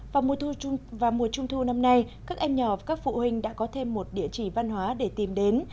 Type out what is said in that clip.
vào mùa trung thu năm nay các em nhỏ các phụ huynh đã có thêm một địa chỉ văn hóa để tìm đến